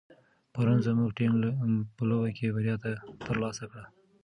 پرون زموږ ټیم په لوبه کې بریا ترلاسه کړه.